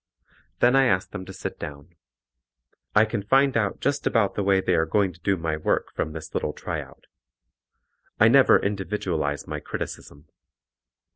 Then I ask them to sit down. I can find out just about the way they are going to do my work from this little tryout. I never individualize my criticism.